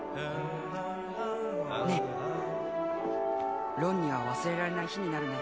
ララララねえロンには忘れられない日になるね